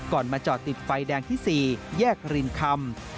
มาจอดติดไฟแดงที่๔แยกรินคำ